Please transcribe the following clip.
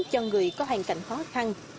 cho người có hoàn cảnh khó khăn